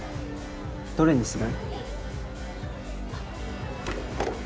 どれにする？